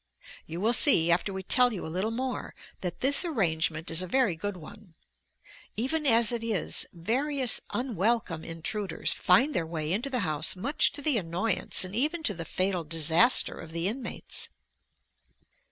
You will see, after we tell you a little more, that this arrangement is a very good one. Even as it is, various unwelcome intruders find their way into the house much to the annoyance and even to the fatal disaster of the inmates.